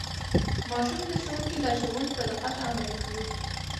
ماشوم د ښوونکي لارښوونې په دقت عملي کړې